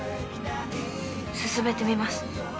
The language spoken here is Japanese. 進めてみます。